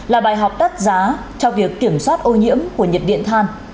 là bài học đắt giá cho việc kiểm soát ô nhiễm của nhiệt điện than